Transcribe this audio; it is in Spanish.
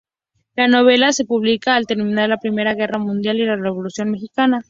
La novela se publica al terminar la primera Guerra Mundial y la Revolución Mexicana.